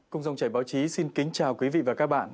cung dòng trẻ báo chí xin kính chào quý vị và các bạn